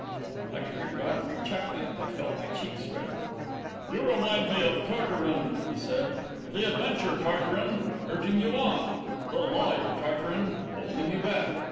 I could hear Godfrey chuckling, and I felt my cheeks redden. "You remind me of Tartarin," he said; "the adventurer Tartarin urging you on, the lawyer Tartarin holding you back.